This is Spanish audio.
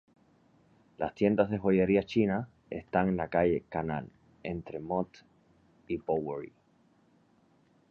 Las tiendas de joyería china están en la calle Canal entre Mott y Bowery.